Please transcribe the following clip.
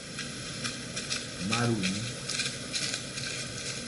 Maruim